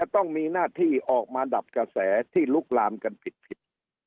ต้องมีหน้าที่ออกมาดับกระแสที่ลุกลามกันผิด